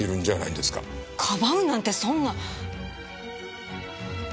かばうなんてそんな！